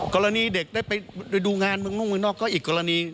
กรณีเด็กได้ไปดูงานมึงนอกก็อีกกรณี